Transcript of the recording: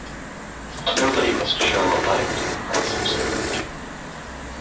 "Nobody must show a light," Price observed.